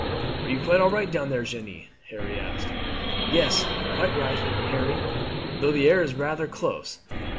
"Are you all right down there, Jeanne?" Harry asked. "Yes, quite right, Harry, though the air is rather close.